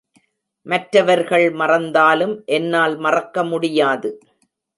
மற்றவர்கள் மறந்தாலும் என்னால் மறக்க முடியாது.